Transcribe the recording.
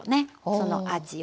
その味を。